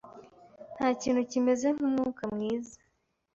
Ntakintu kimeze nkumwuka mwiza.